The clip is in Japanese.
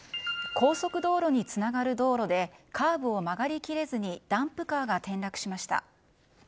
高速道路につながる道路でカーブを曲がり切れずにダンプカーが転落しました。